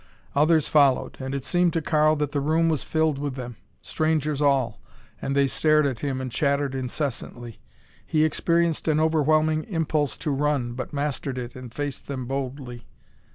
Others followed and it seemed to Karl that the room was filled with them, strangers all, and they stared at him and chattered incessantly. He experienced an overwhelming impulse to run, but mastered it and faced them boldly.